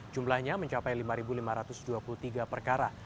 jumlahnya mencapai lima lima ratus dua puluh tiga perkara